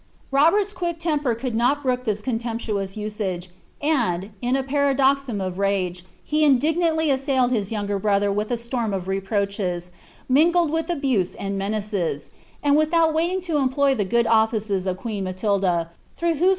Robert's quick temper could not brook this contemptuous usage, and, in a paroxysm of rage, he indignantly assailed his younger brother with a storm of reproaches, mingled with abuse and menaces ; and without waiting to employ the good offices of queen Matilda, through whose > Ordarieiu Vltalis.